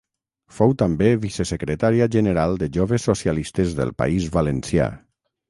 Fou també vicesecretària general de Joves Socialistes del País Valencià.